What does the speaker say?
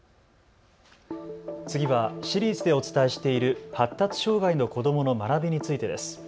次はシリーズでお伝えしている発達障害の子どもの学びについてです。